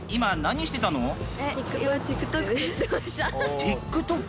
ＴｉｋＴｏｋ？